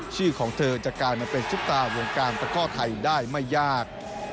ชื่อของเธอจะกลายมาเป็นซุปตาวงการตะก้อไทยได้ไม่ยาก